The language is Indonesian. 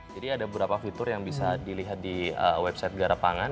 jadi ada beberapa fitur yang bisa dilihat di website garda pangan